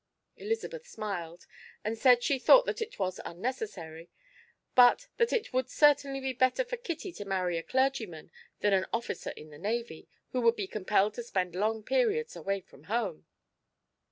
Elizabeth smiled and said she thought that it was unnecessary, but that it would certainly be better for Kitty to marry a clergyman than an officer in the navy, who would be compelled to spend long periods away from home.